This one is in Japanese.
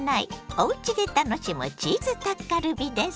おうちで楽しむチーズタッカルビです。